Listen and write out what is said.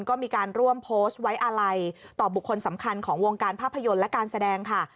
ก็มีการร่วมโพสต์ไว้อาลัยต่อบุคคลสำคัญของวงการภาพยนตร์และการแสดงค่ะ